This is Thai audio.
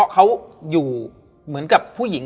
เขาอยู่เหมือนกับผู้หญิง